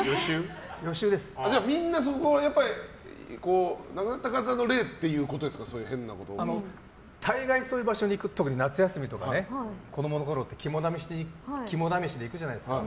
みんな、亡くなった方の霊ということですか大概そういう場所に行くと特に夏休みとか、子供のころ肝試しに行くじゃないですか。